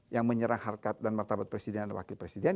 yang menyerang harkat dan martabat presiden dan wakil presiden